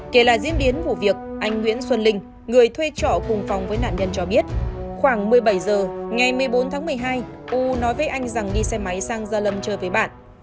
kể lại diễn biến vụ việc anh nguyễn xuân linh người thuê trọ cùng phòng với nạn nhân cho biết khoảng một mươi bảy h ngày một mươi bốn tháng một mươi hai u nói với anh rằng đi xe máy sang gia lâm chơi với bạn